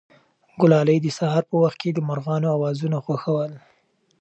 ګلالۍ د سهار په وخت کې د مرغانو اوازونه خوښول.